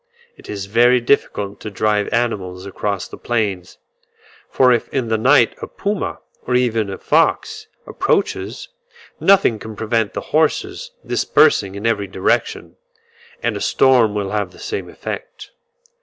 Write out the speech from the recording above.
It is very difficult to drive animals across the plains; for if in the night a puma, or even a fox, approaches, nothing can prevent the horses dispersing in every direction; and a storm will have the same effect.